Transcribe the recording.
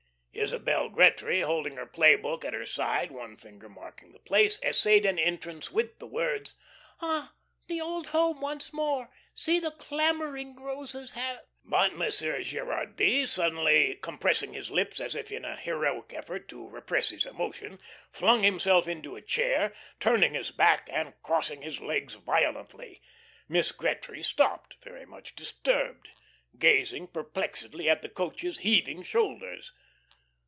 Isabel Gretry, holding her play book at her side, one finger marking the place, essayed an entrance with the words: "'Ah, the old home once more. See the clambering roses have '" But Monsieur Gerardy, suddenly compressing his lips as if in a heroic effort to repress his emotion, flung himself into a chair, turning his back and crossing his legs violently. Miss Gretry stopped, very much disturbed, gazing perplexedly at the coach's heaving shoulders.